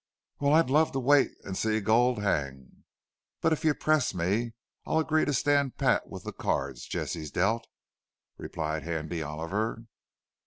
"Wal, I'd love to wait an' see Gul hang, but if you press me, I'll agree to stand pat with the cards Jesse's dealt," replied Handy Oliver.